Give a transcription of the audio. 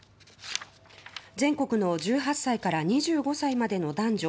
全国の１８歳から２５歳までの男女